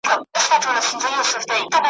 د سوچونو غلبلې دي طو فا ني سوې